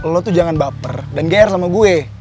lo tuh jangan baper dan ger sama gue